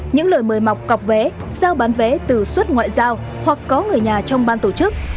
những lời mời mọc cọc vé giao bán vé từ suất ngoại giao hoặc có người nhà trong ban tổ chức